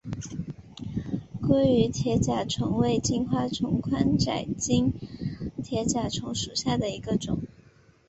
岛屿铁甲虫为金花虫科窄颈铁甲虫属下的一个种。